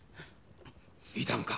痛むか？